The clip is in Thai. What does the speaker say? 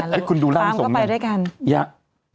แล้วคุณดูล่างทรงแบบนี้